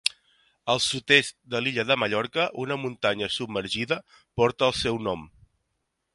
Al sud-est de l'illa de Mallorca una muntanya submergida porta el seu nom.